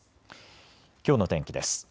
きょうの天気です。